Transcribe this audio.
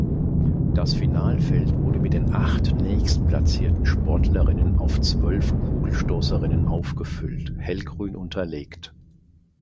Das Finalfeld wurde mit den acht nächstplatzierten Sportlerinnen auf zwölf Kugelstoßerinnen aufgefüllt (hellgrün unterlegt).